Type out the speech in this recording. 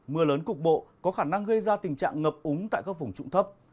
mưa lớn cục bộ có khả năng gây ra tình trạng ngập úng tại các vùng trụng thấp